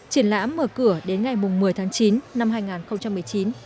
triển lãm mở cửa đến ngày một mươi tháng chín năm hai nghìn một mươi chín